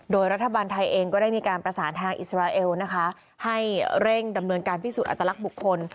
โดยรัฐบาลไทยเองก็ได้มีการประสานทางอิสราเอลนะคะให้เร่งดำเนินการพิสูจนอัตลักษณ์บุคคล